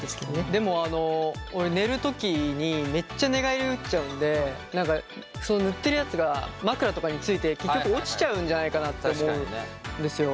でも俺寝る時にめっちゃ寝返り打っちゃうんで塗ってるやつが枕とかについて結局落ちちゃうんじゃないかなって思うんですよ。